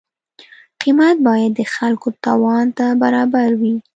قیمت باید د خلکو توان ته برابر وي.